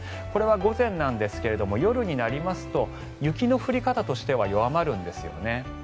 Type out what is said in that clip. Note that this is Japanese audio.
これは午前なんですが夜になりますと雪の降り方としては弱まるんですよね。